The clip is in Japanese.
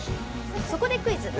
そこでクイズ。